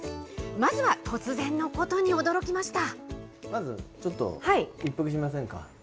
まずは突然のことに驚きました。